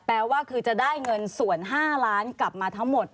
แปลว่าคือจะได้เงินส่วน๕ล้านกลับมาทั้งหมด